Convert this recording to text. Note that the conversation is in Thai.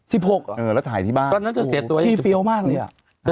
เออแล้วถ่ายที่บ้านตอนนั้นเธอเสียตัวพี่เฟี้ยวมากเลยอ่ะ